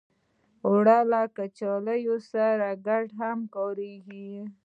اوړه له کچالو سره ګډ هم کارېږي